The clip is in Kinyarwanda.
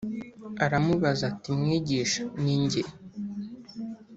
aramubaza ati “Mwigisha, ni jye?”